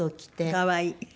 可愛い。